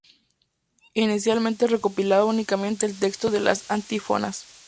Inicialmente recopilaba únicamente el texto de las antífonas.